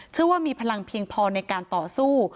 เชื่อว่ามีพลังเพียงพอในการต่อสู้